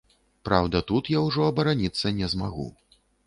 Праўда, тут я ўжо абараніцца не змагу.